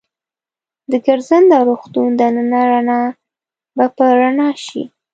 د ګرځنده روغتون دننه رڼا به په رڼا شي.